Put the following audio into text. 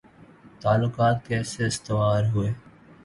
تعلقات کیسے استوار ہوئے